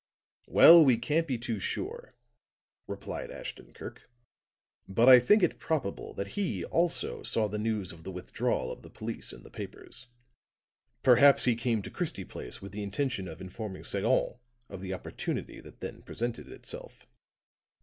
"Well, we can't be too sure," replied Ashton Kirk, "but I think it probable that he, also, saw the news of the withdrawal of the police in the papers. Perhaps he came to Christie Place with the intention of informing Sagon of the opportunity that then presented itself.